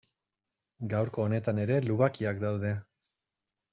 Gaurko honetan ere lubakiak daude.